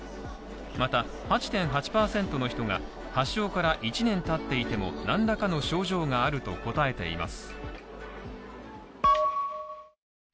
また、８．８％の人が発症から１年経っていても何らかの症状があると答えています。